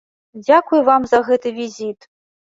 Дзякуй вам за гэты візіт.